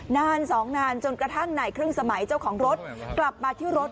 นานสองนานจนกระทั่งในครึ่งสมัยเจ้าของรถกลับมาที่รถ